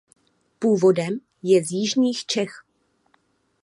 Původem je z jižních Čech.